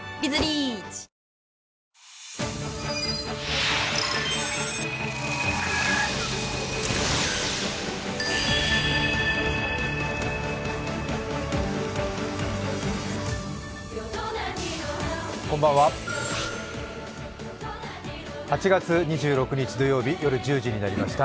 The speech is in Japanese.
こんばんは、８月２６日土曜日夜１０時になりました。